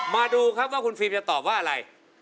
มาดูครับว่าคุณฟิล์มจะตอบว่าอะไร